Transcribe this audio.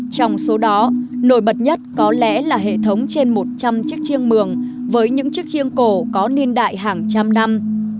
trong số đó nổi bật nhất có lẽ là hệ thống trên một trăm linh chiếc chiêng mường với những chiếc chiêng cổ có niên đại hàng trăm năm